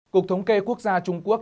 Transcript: cục thống kê quốc gia trung quốc